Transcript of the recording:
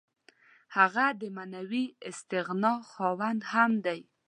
هغه د معنوي استغنا خاوند هم دی.